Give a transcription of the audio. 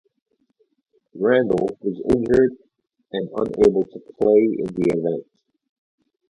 Randall was injured and unable to play in the event.